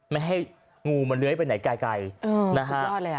ไม่ให้งูมาเล้ยไปไหนไกล